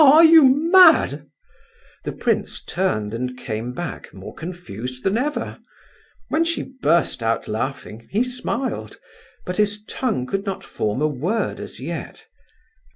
Are you mad?" The prince turned and came back, more confused than ever. When she burst out laughing, he smiled, but his tongue could not form a word as yet.